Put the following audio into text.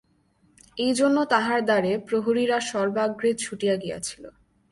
এই জন্য তাঁহার দ্বারে প্রহরীরা সর্বাগ্রে ছুটিয়া গিয়াছিল।